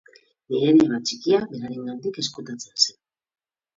Nire neba txikia berarengandik ezkutatzen zen.